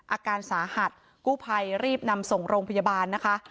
อาการสาหัสกู้ภัยรีบนำส่งโรงพยาบาลนะคะ